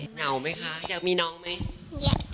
เหงาไม่คะอยากมีน้องมั้ย